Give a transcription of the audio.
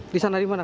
di sana dimana